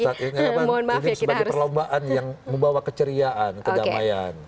ini sebagai perlombaan yang membawa keceriaan kedamaian